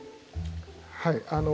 はい。